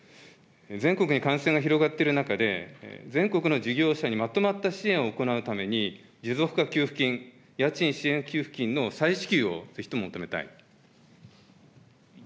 全国に感染が広がっている中で、全国の事業者にまとまった支援を行うために、持続化給付金、家賃支援給付金の再支給をぜひとも求めたい。